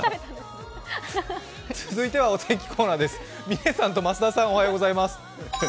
続いてはお天気コーナーです。